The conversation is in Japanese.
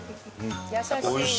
優しいな。